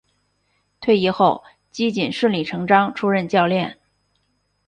退役后基瑾顺理成章出任教练。